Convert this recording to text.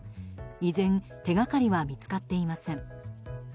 依然、手掛かりは見つかっていません。